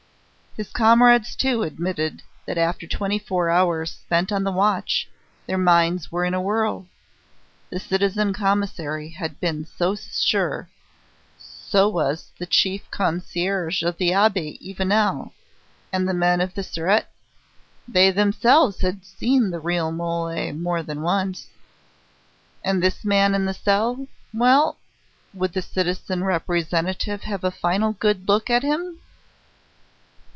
His comrades, too, admitted that after twenty four hours spent on the watch, their minds were in a whirl. The Citizen Commissary had been so sure so was the chief concierge of the Abbaye even now; and the men of the Surete!... they themselves had seen the real Mole more than once ... and this man in the cell.... Well, would the citizen Representative have a final good look at him?